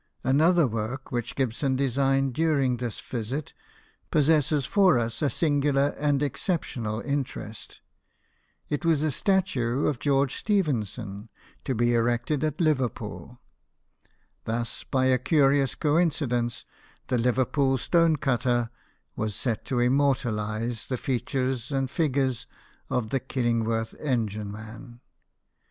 Another work which Gibson designed during this visit possesses for us a singular and ex ceptional interest. It was a statue of George Stephenson, to be erected at Liverpool. Thus, by a curious coincidence, the Liverpool stone cutter was set to immortalize the features and figure of the Killingworth engine man.